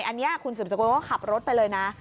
อันนี้คุณสืบสกุลก็ขับรถไปเลยนะ